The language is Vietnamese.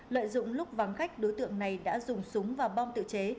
lợi dụng lúc vắng khách đối tượng này đã dùng súng và bom tự chế